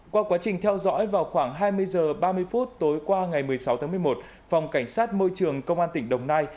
qua quá trình theo dõi vào khoảng hai mươi h ba mươi phút tối qua ngày một mươi sáu tháng một mươi một phòng cảnh sát môi trường công an tỉnh đồng nai